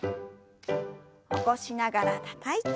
起こしながらたたいて。